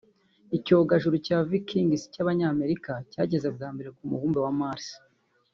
Icyogajuru cya Vikings cy’abanyamerika cyageze bwa mbere ku mubumbe wa Mars